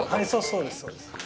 そうです、そうです